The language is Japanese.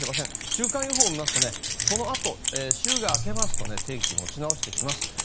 週間予報を見ますとそのあと、週が明けますと天気は持ち直してきます。